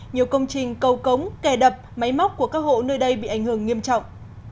nhiều công trình cầu cống kè đập máy móc của các hộ nơi đây bị ảnh hưởng nghiêm trọng